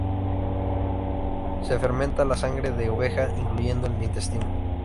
Se fermenta la sangre de oveja, incluyendo el intestino.